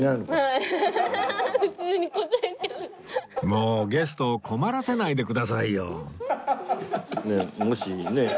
もうゲストを困らせないでくださいよもしねえ。